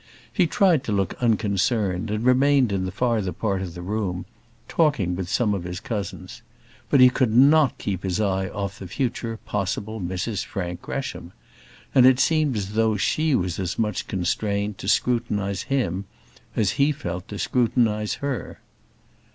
He tried to look unconcerned, and remained in the farther part of the room, talking with some of his cousins; but he could not keep his eye off the future possible Mrs Frank Gresham; and it seemed as though she was as much constrained to scrutinise him as he felt to scrutinise her.